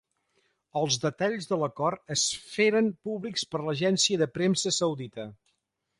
Els detalls de l'acord es feren públics per l'Agència de Premsa Saudita.